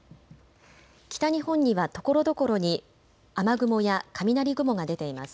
北日本にはところどころに雨雲や雷雲が出ています。